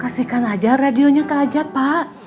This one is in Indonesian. kasihkan aja radionya ke aja pak